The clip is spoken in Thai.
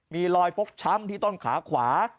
มีรอยฟกช้ำที่ต้นขาขวา